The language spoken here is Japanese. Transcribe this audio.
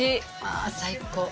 あ最高。